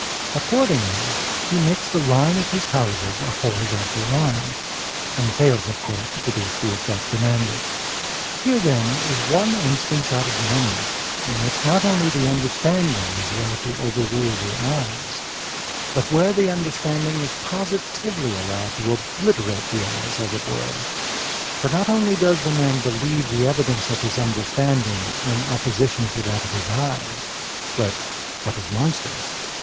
Accordingly he makes the line of his houses a horizontal line, and fails of course to produce the effect demanded. Here then is one instance out of many, in which not only the understanding is allowed to overrule the eyes, but where the understanding is positively allowed to obliterate the eyes as it were, for not only does the man believe the evidence of his understanding in opposition to that of his eyes, but, (what is monstrous!)